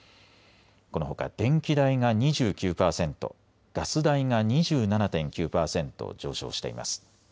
このほか電気代が２９％、ガス代が２７．９％上昇しています。